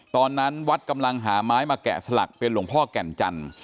ตอนนั้นวัดกำลังหาไม้มาแกะสลักเป็นหลวงพ่อแก่นจันทร์